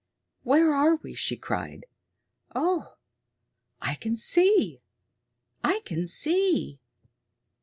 "Where are we?" she cried. "Oh, I can see! I can see!